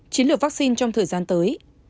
chiến lược vaccine trong thời gian tới